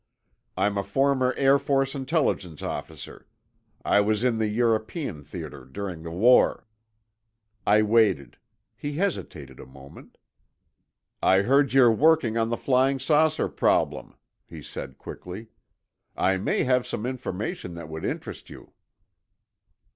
"I'm a former Air Force Intelligence officer. I was in the European theater during the war." I waited. He hesitated a moment. "I heard you're working on the flying saucer problem," he said quickly. "I may have some information that would interest you."